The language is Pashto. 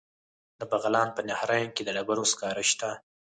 د بغلان په نهرین کې د ډبرو سکاره شته.